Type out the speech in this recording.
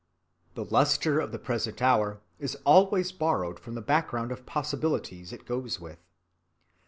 The lustre of the present hour is always borrowed from the background of possibilities it goes with.